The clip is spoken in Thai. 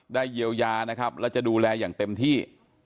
เยียวยานะครับและจะดูแลอย่างเต็มที่